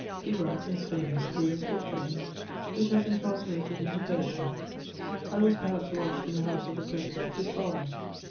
Pibrac is famous through his quatrains, which have been translated into Persian. I was perhaps lodged in the house of the president his father.